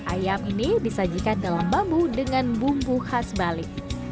ayam ini disajikan dalam bambu dengan bumbu khas bali